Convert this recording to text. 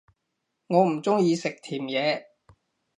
我唔鍾意食甜野